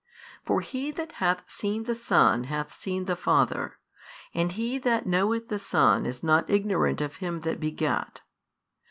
For he that hath seen the Son hath seen the Father, and he that knoweth the Son is not ignorant of Him that begat.